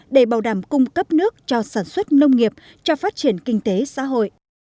để bảo đảm cung cấp nước cho sản xuất nông nghiệp cho phát triển kinh tế xã hội